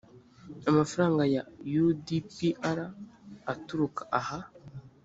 amafaranga ya u d p r aturuka aha